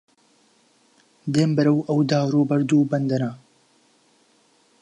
دێم بەرەو ئەو دار و بەرد و بەندەنە